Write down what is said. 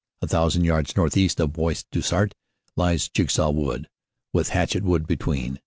A thousand yards northeast of Bois du Sart lies Jigsaw Wood, with Hatchett Wood between.